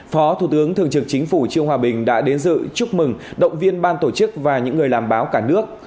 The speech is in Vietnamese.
phó thủ tướng thường trực chính phủ trương hòa bình đã đến dự chúc mừng động viên ban tổ chức và những người làm báo cả nước